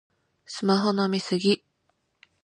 スマホの見過ぎ